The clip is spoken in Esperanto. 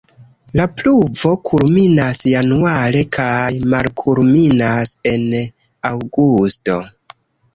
La pluvo kulminas januare kaj malkulminas en aŭgusto.